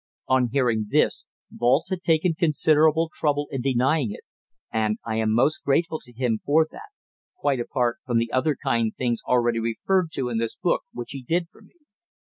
On hearing this Walz had taken considerable trouble in denying it, and I am most grateful to him for that, quite apart from the other kind things already referred to in this book which he did for me.